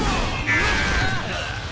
うわあっ！